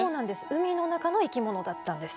海の中の生き物だったんです。